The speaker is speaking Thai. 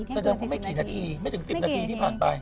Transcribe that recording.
ไม่ถึง๑๐นาทีที่ผ่านไป